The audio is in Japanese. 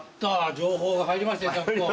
情報が入りましたよちゃんと。